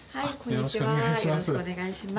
よろしくお願いします。